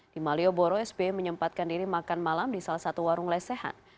di malioboro sbi menyempatkan diri makan malam di salah satu warung lesehan